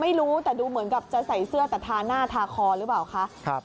ไม่รู้แต่ดูเหมือนกับจะใส่เสื้อแต่ทาหน้าทาคอหรือเปล่าคะ